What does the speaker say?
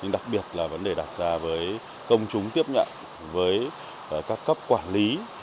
đặc biệt là vấn đề đặt ra với công chúng tiếp nhận với các cấp quản lý